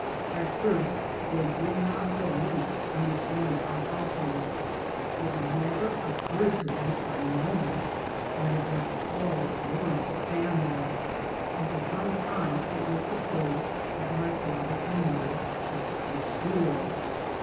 At first they did not the least understand our household. It never occurred to them for a moment that it was all one family, and for some time it was supposed that my father and mother kept a school